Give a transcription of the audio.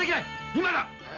今だ！